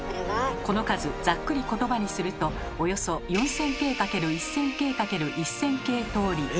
この数ざっくり言葉にするとおよそ４，０００京×１，０００京×１，０００京通り。